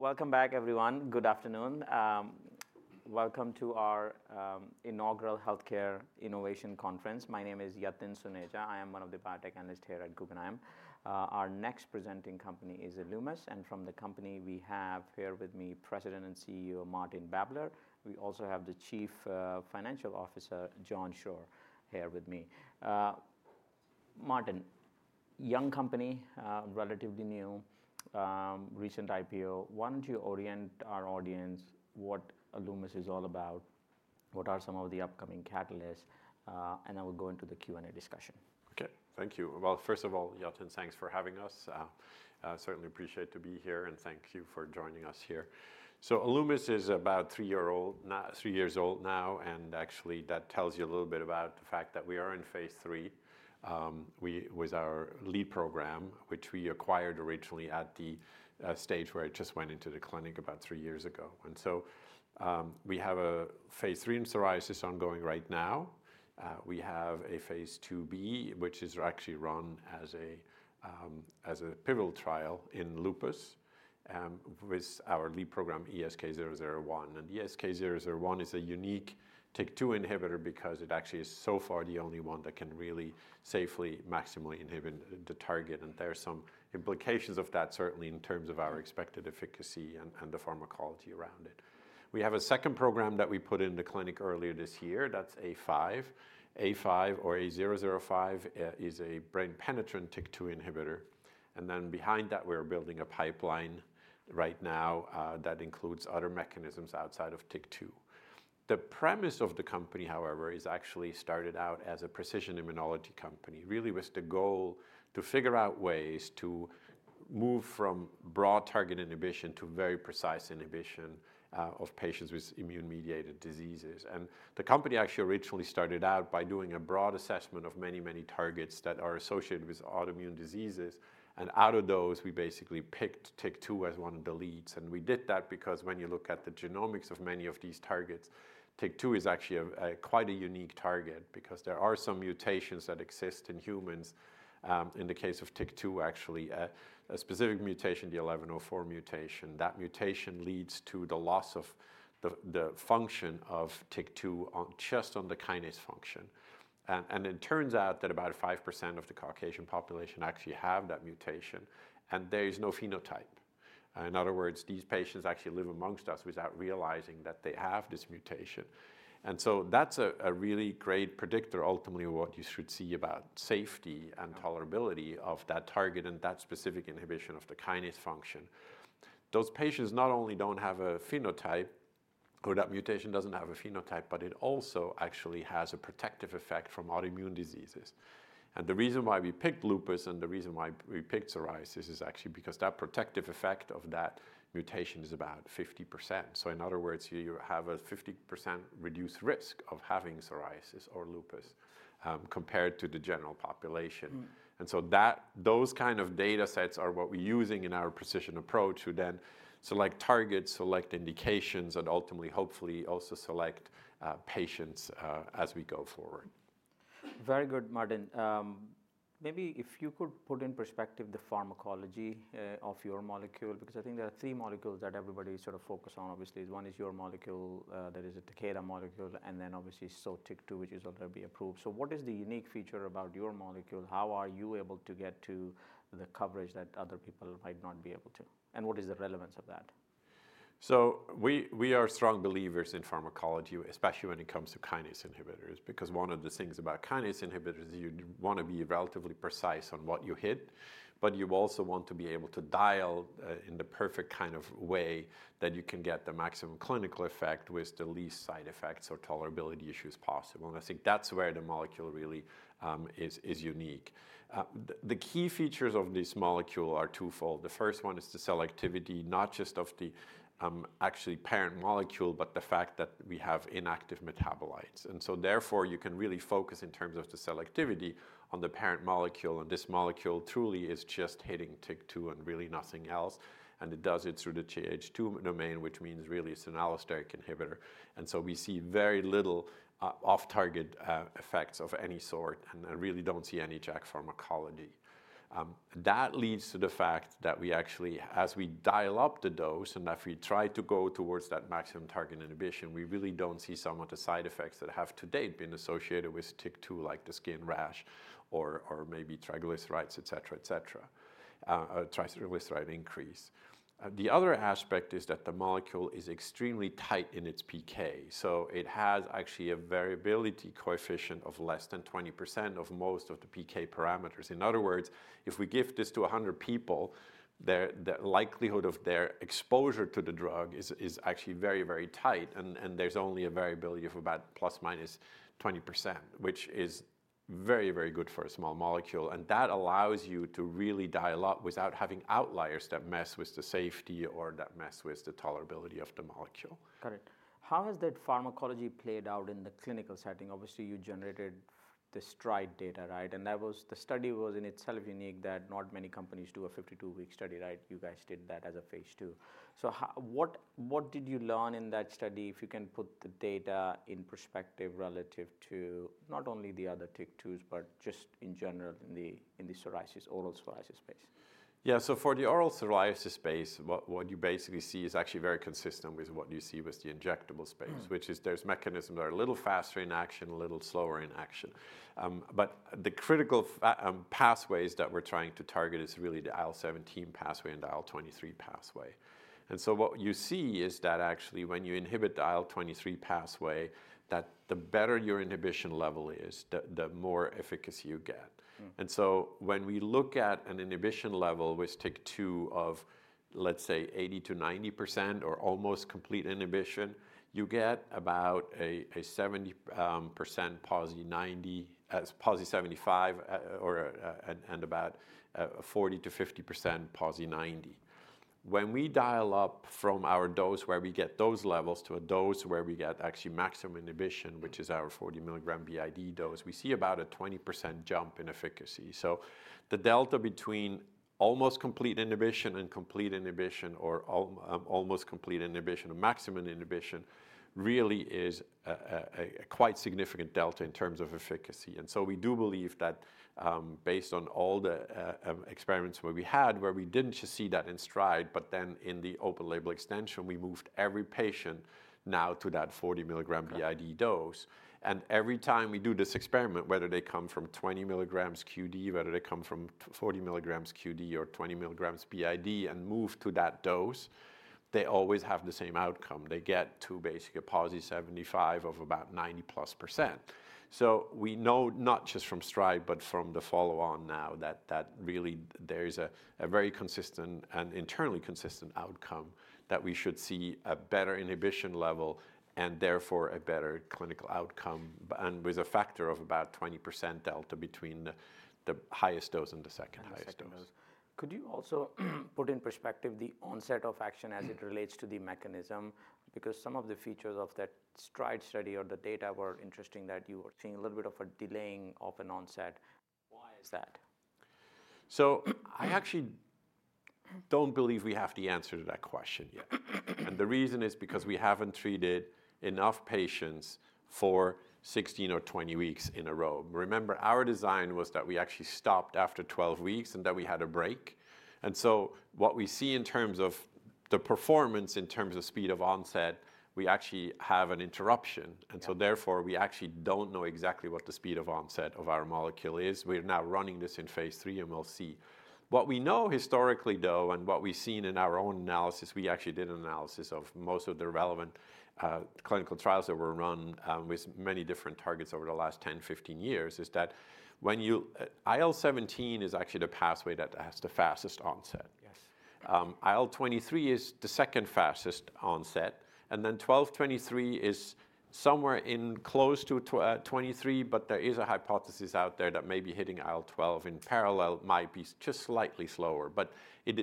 Welcome back, everyone. Good afternoon. Welcome to our Inaugural Healthcare Innovation Conference. My name is Yatin Suneja. I am one of the biotech analysts here at Guggenheim. Our next presenting company is Alumis, and from the company, we have here with me President and CEO Martin Babler. We also have the Chief Financial Officer John Schroer here with me. Martin, young company, relatively new, recent IPO. Why don't you orient our audience what Alumis is all about, what are some of the upcoming catalysts, and then we'll go into the Q&A discussion. Okay. Thank you. Well, first of all, Yatin, thanks for having us. Certainly appreciate to be here, and thank you for joining us here. So Alumis is about three-year-old, not three years old now, and actually that tells you a little bit about the fact that we are in phase III. We was our lead program, which we acquired originally at the stage where it just went into the clinic about three years ago. And so, we have a phase III in psoriasis ongoing right now. We have a phase II-B, which is actually run as a pivotal trial in lupus, with our lead program ESK001. And ESK001 is a unique TYK2 inhibitor because it actually is so far the only one that can really safely maximally inhibit the target. There are some implications of that, certainly in terms of our expected efficacy and the pharmacology around it. We have a second program that we put in the clinic earlier this year. That's A-005. A-005 is a brain-penetrating TYK2 inhibitor. Then behind that, we're building a pipeline right now, that includes other mechanisms outside of TYK2. The premise of the company, however, is actually started out as a precision immunology company, really with the goal to figure out ways to move from broad target inhibition to very precise inhibition, of patients with immune-mediated diseases. The company actually originally started out by doing a broad assessment of many, many targets that are associated with autoimmune diseases. Out of those, we basically picked TYK2 as one of the leads. We did that because when you look at the genomics of many of these targets, TYK2 is actually quite a unique target because there are some mutations that exist in humans. In the case of TYK2, actually, a specific mutation, the 1104 mutation, that mutation leads to the loss of the function of TYK2 just on the kinase function. It turns out that about 5% of the Caucasian population actually have that mutation, and there is no phenotype. In other words, these patients actually live amongst us without realizing that they have this mutation. So that's a really great predictor ultimately of what you should see about safety and tolerability of that target and that specific inhibition of the kinase function. Those patients not only don't have a phenotype or that mutation doesn't have a phenotype, but it also actually has a protective effect from autoimmune diseases, and the reason why we picked lupus and the reason why we picked psoriasis is actually because that protective effect of that mutation is about 50%. So in other words, you, you have a 50% reduced risk of having psoriasis or lupus, compared to the general population, and so that those kind of data sets are what we're using in our precision approach to then select targets, select indications, and ultimately, hopefully, also select, patients, as we go forward. Very good, Martin. Maybe if you could put in perspective the pharmacology of your molecule, because I think there are three molecules that everybody sort of focuses on, obviously. One is your molecule, that is the Takeda molecule, and then obviously Sotyktu, which is already approved. So what is the unique feature about your molecule? How are you able to get to the coverage that other people might not be able to? And what is the relevance of that? So we are strong believers in pharmacology, especially when it comes to kinase inhibitors, because one of the things about kinase inhibitors is you'd want to be relatively precise on what you hit, but you also want to be able to dial in the perfect kind of way that you can get the maximum clinical effect with the least side effects or tolerability issues possible. And I think that's where the molecule really is unique. The key features of this molecule are twofold. The first one is the selectivity, not just of the actually parent molecule, but the fact that we have inactive metabolites. And so therefore, you can really focus in terms of the selectivity on the parent molecule. And this molecule truly is just hitting TYK2 and really nothing else. And it does it through the JH2 domain, which means really it's an allosteric inhibitor. And so we see very little off-target effects of any sort and really don't see any JAK pharmacology. That leads to the fact that we actually, as we dial up the dose and if we try to go towards that maximum target inhibition, we really don't see some of the side effects that have to date been associated with TYK2, like the skin rash or maybe triglycerides, etc., etc., triglyceride increase. The other aspect is that the molecule is extremely tight in its PK. So it has actually a variability coefficient of less than 20% of most of the PK parameters. In other words, if we give this to 100 people, their likelihood of their exposure to the drug is actually very, very tight. And there's only a variability of about ±20%, which is very, very good for a small molecule. That allows you to really dial up without having outliers that mess with the safety or that mess with the tolerability of the molecule. Got it. How has that pharmacology played out in the clinical setting? Obviously, you generated the STRIDE data, right? And that was the study was in itself unique that not many companies do a 52-week study, right? You guys did that as a phase II. So how, what did you learn in that study if you can put the data in perspective relative to not only the other TYK2s, but just in general in the psoriasis, oral psoriasis space? Yeah. So for the oral psoriasis space, what you basically see is actually very consistent with what you see with the injectable space, which is there's mechanisms that are a little faster in action, a little slower in action, but the critical pathways that we're trying to target is really the IL-17 pathway and the IL-23 pathway. And so what you see is that actually when you inhibit the IL-23 pathway, that the better your inhibition level is, the more efficacy you get. And so when we look at an inhibition level with TYK2 of, let's say, 80% to 90% or almost complete inhibition, you get about a 70% PASI 90, PASI 75, or and about 40% to 50% PASI 90. When we dial up from our dose where we get those levels to a dose where we get actually maximum inhibition, which is our 40 milligram BID dose, we see about a 20% jump in efficacy. So the delta between almost complete inhibition and complete inhibition or almost complete inhibition and maximum inhibition really is a quite significant delta in terms of efficacy. And so we do believe that, based on all the experiments where we had, where we didn't just see that in STRIDE, but then in the open label extension, we moved every patient now to that 40 milligram BID dose. And every time we do this experiment, whether they come from 20 milligrams QD, whether they come from 40 milligrams QD or 20 milligrams BID and move to that dose, they always have the same outcome. They get to basically a PASI 75 of about 90-plus%. So we know not just from STRIDE, but from the follow-on now that really there is a very consistent and internally consistent outcome that we should see a better inhibition level and therefore a better clinical outcome, and with a factor of about 20% delta between the highest dose and the second highest dose. Second highest dose. Could you also put in perspective the onset of action as it relates to the mechanism? Because some of the features of that STRIDE study or the data were interesting that you were seeing a little bit of a delaying of an onset. Why is that? I actually don't believe we have the answer to that question yet. The reason is because we haven't treated enough patients for 16 or 20 weeks in a row. Remember, our design was that we actually stopped after 12 weeks and that we had a break. What we see in terms of the performance in terms of speed of onset, we actually have an interruption. Therefore we actually don't know exactly what the speed of onset of our molecule is. We are now running this in phase III and we'll see. What we know historically though, and what we've seen in our own analysis, we actually did an analysis of most of the relevant clinical trials that were run, with many different targets over the last 10, 15 years is that when you, IL-17 is actually the pathway that has the fastest onset. Yes. IL-23 is the second fastest onset. IL-12/23 is somewhere close to IL-23, but there is a hypothesis out there that maybe hitting IL-12 in parallel might be just slightly slower.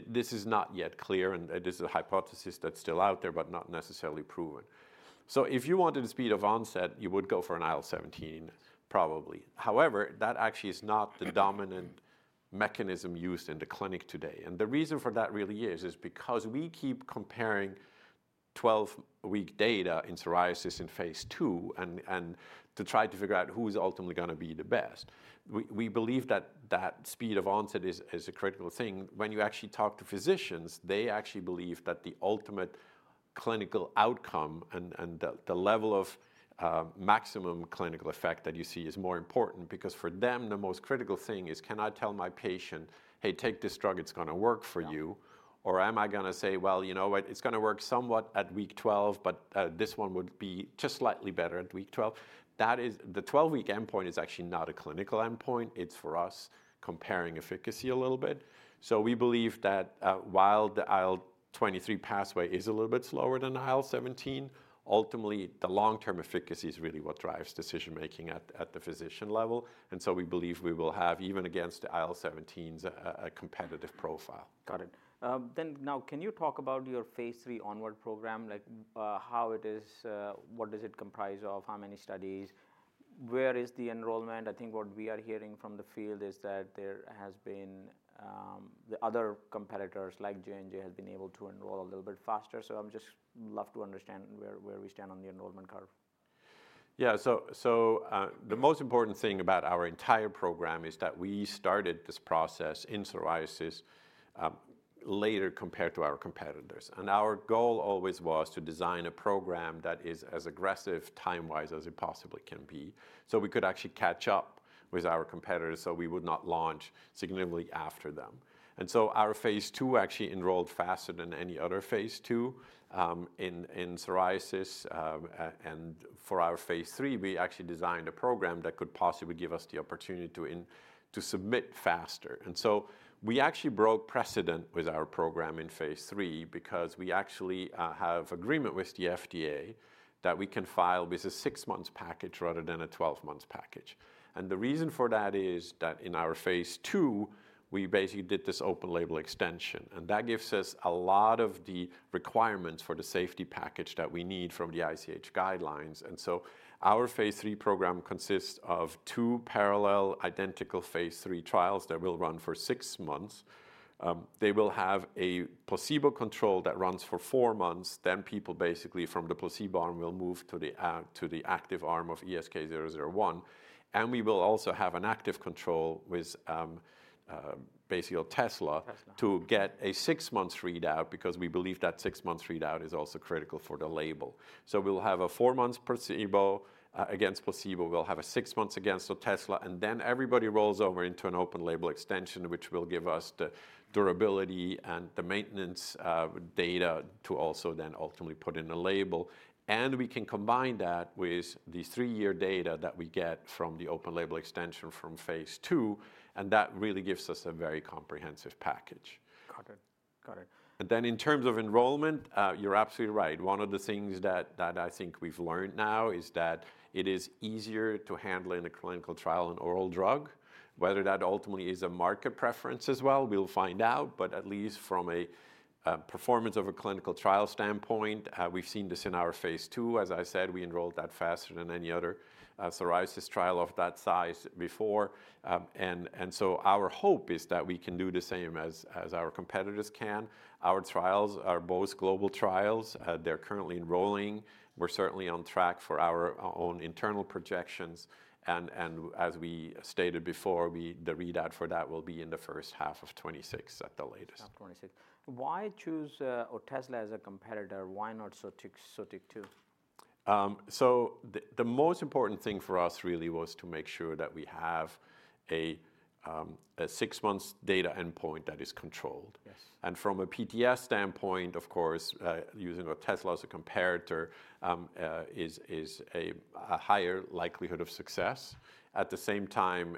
This is not yet clear, and it is a hypothesis that's still out there, but not necessarily proven. If you wanted the speed of onset, you would go for an IL-17 probably. However, that actually is not the dominant mechanism used in the clinic today. The reason for that really is because we keep comparing 12-week data in psoriasis in phase II and to try to figure out who's ultimately gonna be the best. We believe that speed of onset is a critical thing. When you actually talk to physicians, they actually believe that the ultimate clinical outcome and the level of maximum clinical effect that you see is more important because for them, the most critical thing is, can I tell my patient, hey, take this drug, it's gonna work for you? Or am I gonna say, well, you know what, it's gonna work somewhat at week 12, but this one would be just slightly better at week 12? That is, the 12-week endpoint is actually not a clinical endpoint. It's for us comparing efficacy a little bit. So we believe that, while the IL-23 pathway is a little bit slower than IL-17, ultimately the long-term efficacy is really what drives decision-making at the physician level, and so we believe we will have even against the IL-17s a competitive profile. Got it. Then now can you talk about your phase III onward program, like, how it is, what does it comprise of, how many studies, where is the enrollment? I think what we are hearing from the field is that there has been, the other competitors like J&J have been able to enroll a little bit faster. So I just love to understand where, where we stand on the enrollment curve. Yeah. So, the most important thing about our entire program is that we started this process in psoriasis later compared to our competitors. Our goal always was to design a program that is as aggressive time-wise as it possibly can be so we could actually catch up with our competitors so we would not launch significantly after them. Our phase II actually enrolled faster than any other phase II in psoriasis. For our phase III, we actually designed a program that could possibly give us the opportunity to submit faster. We actually broke precedent with our program in phase III because we actually have agreement with the FDA that we can file with a six-month package rather than a 12-month package. The reason for that is that in our phase II, we basically did this open label extension, and that gives us a lot of the requirements for the safety package that we need from the ICH guidelines. Our phase III program consists of two parallel identical phase III trials that will run for six months. They will have a placebo control that runs for four months. People basically from the placebo arm will move to the active arm of ESK001. We will also have an active control with, basically Otezla to get a six-month readout because we believe that six-month readout is also critical for the label. So we'll have a four-month placebo, against placebo, we'll have a six months against the Otezla, and then everybody rolls over into an open label extension, which will give us the durability and the maintenance, data to also then ultimately put in a label. And we can combine that with the three-year data that we get from the open label extension from phase II, and that really gives us a very comprehensive package. Got it. Got it. Then in terms of enrollment, you're absolutely right. One of the things that I think we've learned now is that it is easier to handle in a clinical trial an oral drug, whether that ultimately is a market preference as well, we'll find out. But at least from a performance of a clinical trial standpoint, we've seen this in our phase II. As I said, we enrolled that faster than any other psoriasis trial of that size before. So our hope is that we can do the same as our competitors can. Our trials are both global trials. They're currently enrolling. We're certainly on track for our own internal projections. As we stated before, we, the readout for that will be in the first half of 2026 at the latest. Half 2026. Why choose, or Otezla as a competitor? Why not Sotyktu, Sotyktu? The most important thing for us really was to make sure that we have a six-month data endpoint that is controlled. Yes. And from a PASI standpoint, of course, using Otezla as a competitor, is a higher likelihood of success. At the same time,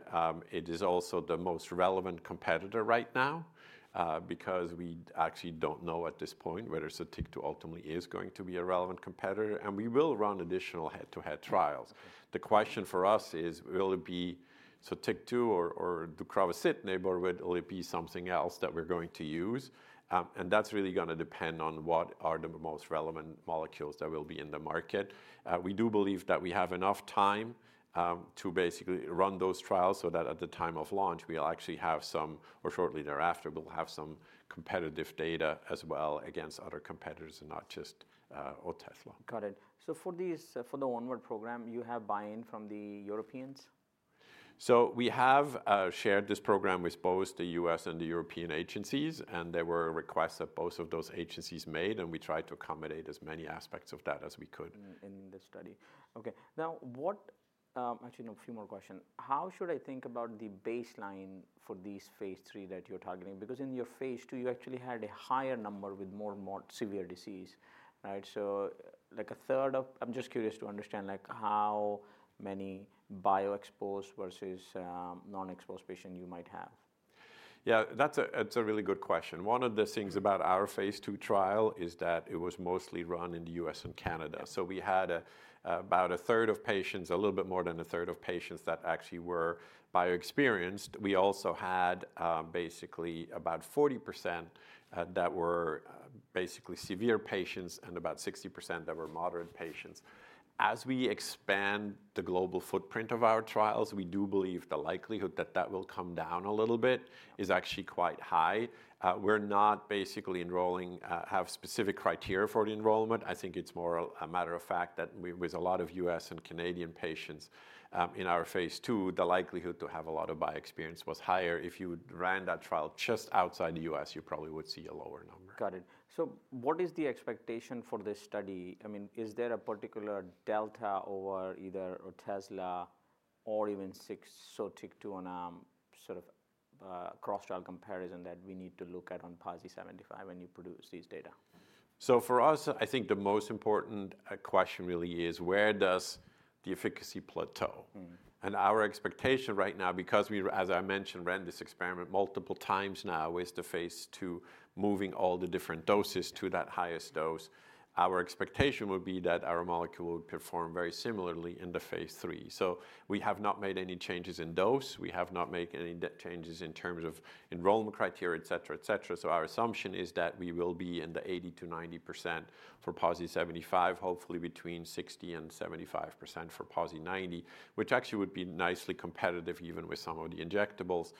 it is also the most relevant competitor right now, because we actually don't know at this point whether Sotyktu ultimately is going to be a relevant competitor. And we will run additional head-to-head trials. The question for us is, will it be Sotyktu or deucravacitinib, or would it be something else that we're going to use? And that's really gonna depend on what are the most relevant molecules that will be in the market. We do believe that we have enough time to basically run those trials so that at the time of launch, we'll actually have some, or shortly thereafter, we'll have some competitive data as well against other competitors and not just, or Otezla. Got it. So for these, for the onward program, you have buy-in from the Europeans? We have shared this program with both the U.S. and the European agencies, and there were requests that both of those agencies made, and we tried to accommodate as many aspects of that as we could. In the study. Okay. Actually no, a few more questions. How should I think about the baseline for these phase III that you're targeting? Because in your phase II, you actually had a higher number with more and more severe disease, right? So like a third of, I'm just curious to understand, like how many biologic-exposed versus non-exposed patients you might have? Yeah, that's a really good question. One of the things about our phase II trial is that it was mostly run in the U.S. and Canada. So we had about a third of patients, a little bit more than a third of patients that actually were bio-experienced. We also had basically about 40% that were basically severe patients and about 60% that were moderate patients. As we expand the global footprint of our trials, we do believe the likelihood that that will come down a little bit is actually quite high. We're not basically enrolling, have specific criteria for the enrollment. I think it's more a matter of fact that we, with a lot of U.S. and Canadian patients, in our phase II, the likelihood to have a lot of bio-experience was higher. If you ran that trial just outside the U.S., you probably would see a lower number. Got it. So what is the expectation for this study? I mean, is there a particular delta over either Otezla or even Sotyktu and, sort of, cross-trial comparison that we need to look at on PASI 75 when you produce these data? So for us, I think the most important question really is where does the efficacy plateau. Our expectation right now, because we, as I mentioned, ran this experiment multiple times now with the phase II, moving all the different doses to that highest dose, our expectation would be that our molecule would perform very similarly in the phase III. We have not made any changes in dose. We have not made any changes in terms of enrollment criteria, et cetera, et cetera. Our assumption is that we will be in the 80% to 90% for PASI 75, hopefully between 60% and 75% for PASI 90, which actually would be nicely competitive even with some of the injectables.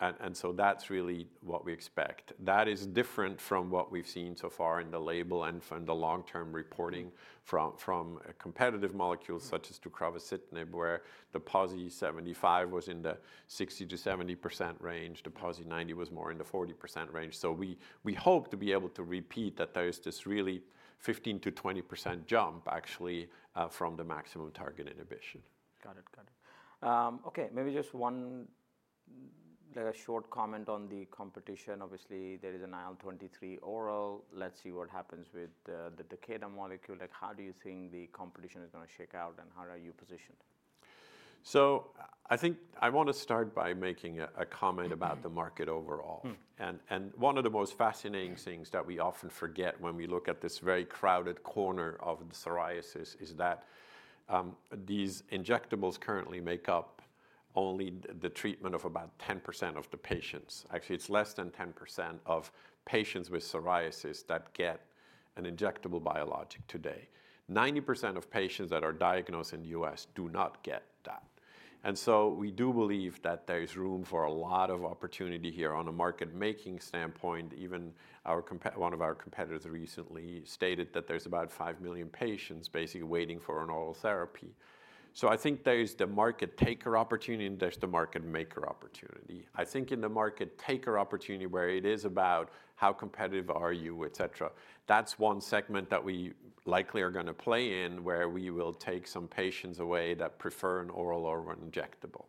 And so that's really what we expect. That is different from what we've seen so far in the label and from the long-term reporting from competitive molecules such as deucravacitinib, where the PASI 75 was in the 60% to 70% range, the PASI 90 was more in the 40% range. So we hope to be able to repeat that there is this really 15% to 20% jump actually, from the maximum target inhibition. Got it. Okay. Maybe just one, like a short comment on the competition. Obviously there is an IL-23 oral. Let's see what happens with the Takeda molecule. Like how do you think the competition is gonna shake out and how are you positioned? So I think I wanna start by making a comment about the market overall. One of the most fascinating things that we often forget when we look at this very crowded corner of the psoriasis is that these injectables currently make up only the treatment of about 10% of the patients. Actually, it's less than 10% of patients with psoriasis that get an injectable biologic today. 90% of patients that are diagnosed in the U.S. do not get that. We do believe that there's room for a lot of opportunity here on a market-making standpoint. Even our comp, one of our competitors recently stated that there's about 5 million patients basically waiting for an oral therapy. I think there's the market taker opportunity and there's the market maker opportunity. I think in the market taker opportunity where it is about how competitive are you, et cetera, that's one segment that we likely are gonna play in where we will take some patients away that prefer an oral or an injectable.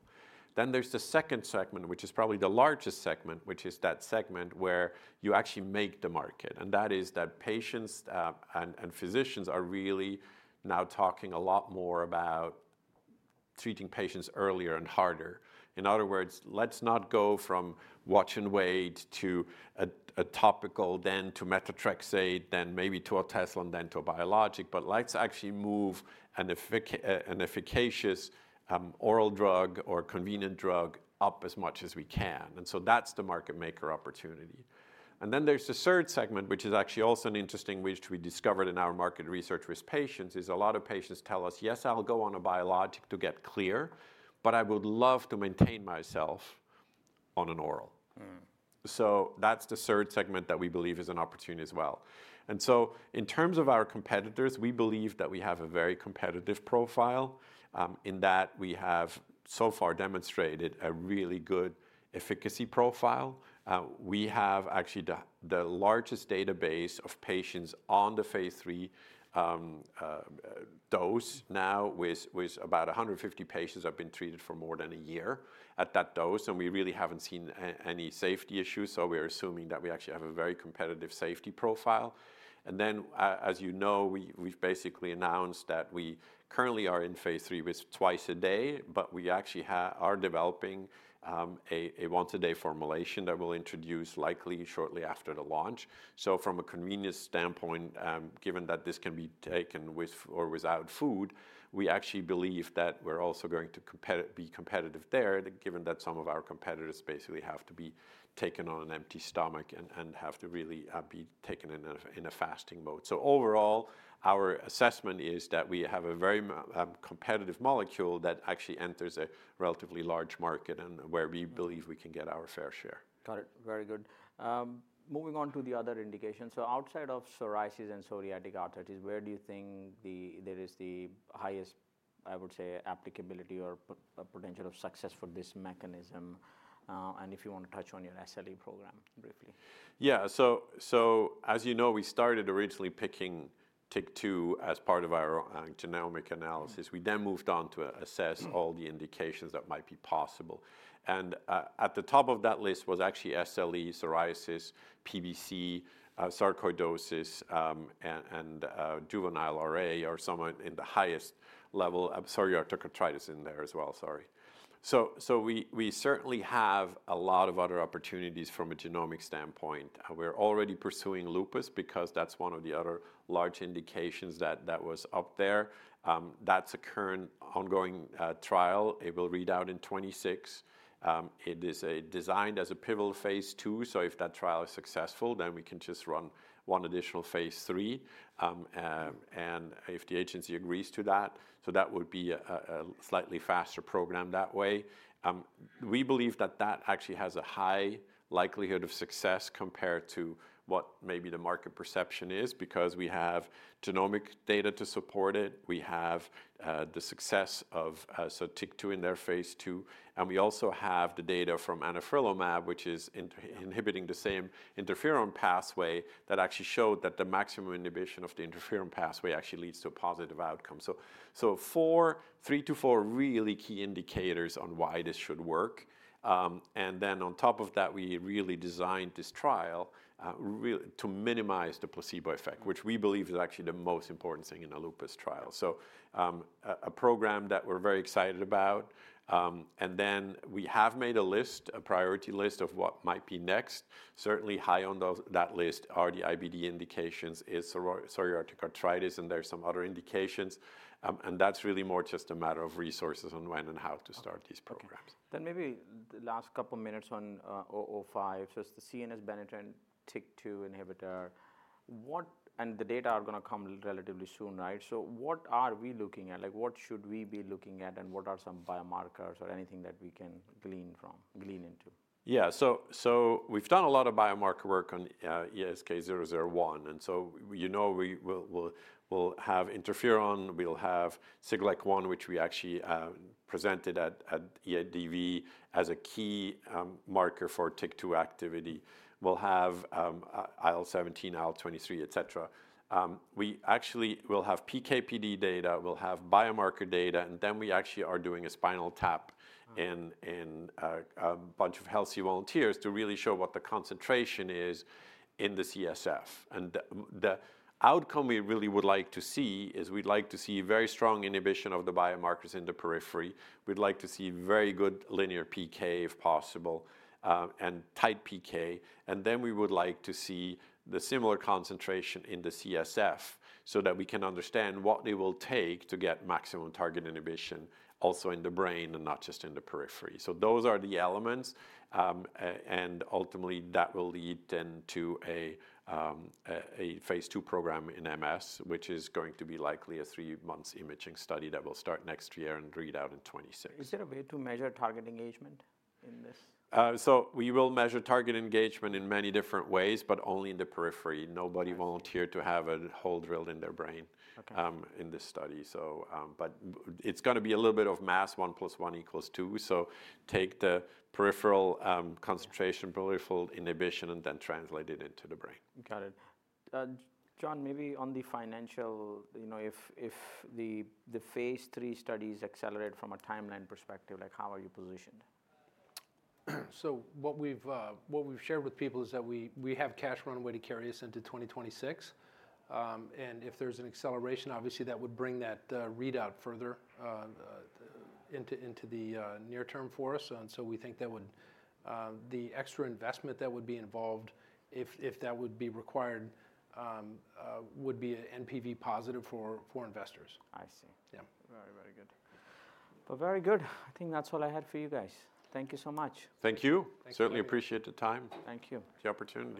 Then there's the second segment, which is probably the largest segment, which is that segment where you actually make the market. And that is that patients and physicians are really now talking a lot more about treating patients earlier and harder. In other words, let's not go from watch and wait to a topical, then to methotrexate, then maybe to an Otezla, then to a biologic, but let's actually move an efficacious oral drug or convenient drug up as much as we can. And so that's the market maker opportunity. Then there's the third segment, which is actually also an interesting which we discovered in our market research with patients, is a lot of patients tell us, yes, I'll go on a biologic to get clear, but I would love to maintain myself on an oral. So that's the third segment that we believe is an opportunity as well. And so in terms of our competitors, we believe that we have a very competitive profile, in that we have so far demonstrated a really good efficacy profile. We have actually the largest database of patients on the phase III dose now with about 150 patients that have been treated for more than a year at that dose. And we really haven't seen any safety issues. So we are assuming that we actually have a very competitive safety profile. And then, as you know, we've basically announced that we currently are in phase III with twice a day, but we actually are developing a once-a-day formulation that we'll introduce likely shortly after the launch. From a convenience standpoint, given that this can be taken with or without food, we actually believe that we're also going to be competitive there, given that some of our competitors basically have to be taken on an empty stomach and have to be taken in a fasting mode. Overall, our assessment is that we have a very competitive molecule that actually enters a relatively large market and where we believe we can get our fair share. Got it. Very good. Moving on to the other indications. So outside of psoriasis and psoriatic arthritis, where do you think there is the highest, I would say, applicability or potential of success for this mechanism? And if you wanna touch on your SLE program briefly. Yeah. So, so as you know, we started originally picking TYK2 as part of our genomic analysis. We then moved on to assess all the indications that might be possible. And, at the top of that list was actually SLE, psoriasis, PBC, sarcoidosis, and, and, juvenile RA or something in the highest level, psoriatic arthritis in there as well. Sorry. So, so we, we certainly have a lot of other opportunities from a genomic standpoint. We're already pursuing lupus because that's one of the other large indications that, that was up there. That's a current ongoing trial. It will read out in 2026. It is designed as a pivotal phase II. So if that trial is successful, then we can just run one additional phase III, and if the agency agrees to that. So that would be a slightly faster program that way. We believe that that actually has a high likelihood of success compared to what maybe the market perception is because we have genomic data to support it. We have the success of Sotyktu in their phase II. And we also have the data from anifrolumab, which is inhibiting the same interferon pathway that actually showed that the maximum inhibition of the interferon pathway actually leads to a positive outcome. So, three to four really key indicators on why this should work. And then on top of that, we really designed this trial really to minimize the placebo effect, which we believe is actually the most important thing in a lupus trial. So, a program that we're very excited about. And then we have made a list, a priority list of what might be next. Certainly high on those that list are the IBD indications, psoriatic arthritis, and there's some other indications, and that's really more just a matter of resources on when and how to start these programs. Then maybe the last couple minutes on A-005, so it's the CNS penetrant TYK2 inhibitor. What, and the data are gonna come relatively soon, right? So what are we looking at? Like what should we be looking at and what are some biomarkers or anything that we can glean from? Yeah. So we've done a lot of biomarker work on ESK001. And so we, you know, we will have interferon, we'll have Siglec-1, which we actually presented at EADV as a key marker for TYK2 activity. We'll have IL-17, IL-23, et cetera. We actually will have PKPD data, we'll have biomarker data, and then we actually are doing a spinal tap. In a bunch of healthy volunteers to really show what the concentration is in the CSF. And the outcome we really would like to see is we'd like to see very strong inhibition of the biomarkers in the periphery. We'd like to see very good linear PK if possible, and tight PK. And then we would like to see the similar concentration in the CSF so that we can understand what it will take to get maximum target inhibition also in the brain and not just in the periphery. So those are the elements, and ultimately that will lead then to a phase II program in MS, which is going to be likely a three-month imaging study that will start next year and read out in 2026. Is there a way to measure target engagement in this? So we will measure target engagement in many different ways, but only in the periphery. Nobody volunteered to have a hole drilled in their brain. Okay. In this study. So, but it's gonna be a little bit of math, one plus one equals two. So take the peripheral concentration, peripheral inhibition, and then translate it into the brain. Got it. John, maybe on the financial, you know, if the phase III studies accelerate from a timeline perspective, like how are you positioned? So what we've shared with people is that we have cash runway to carry us into 2026. And if there's an acceleration, obviously that would bring that readout further into the near term for us. And so we think that the extra investment that would be involved if that would be required would be a NPV positive for investors. I see. Yeah. Very, very good. Well, very good. I think that's all I had for you guys. Thank you so much. Thank you. Thank you. Certainly appreciate the time. Thank you. The opportunity.